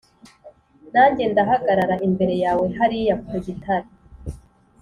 Nanjye ndahagarara imbere yawe hariya ku gitare